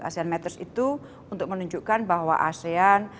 asean matters itu untuk menunjukkan bahwa asean